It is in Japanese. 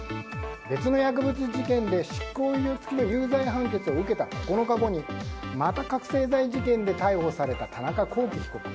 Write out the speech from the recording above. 別の薬物事件で、執行猶予付きの有罪判決を受けた９日後にまた覚醒剤事件で逮捕された田中聖被告。